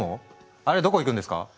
あれどこ行くんですか？